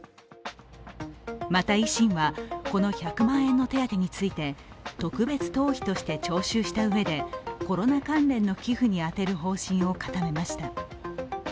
また維新は、この１００万円の手当について特別党費として徴収したうえで、コロナ関連の寄付に充てることを固めました。